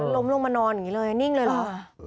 ล้มลงมานอนอย่างนี้เลยนิ่งเลยเหรอ